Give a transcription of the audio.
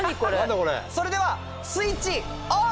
それではスイッチオン！